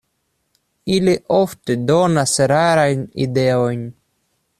Ili ofte donas erarajn ideojn.